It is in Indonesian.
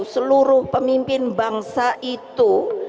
seluruh pemimpin bangsa itu